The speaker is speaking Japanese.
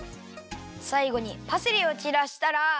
さいごにパセリをちらしたら。